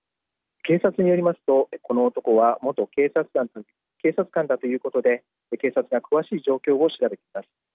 警察によりますとこの男は元警察官だということで警察が詳しい状況を調べています。